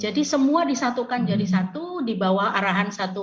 jadi semua disatukan jadi satu dibawa arahan satu lembaga yang cukup besar gitu ya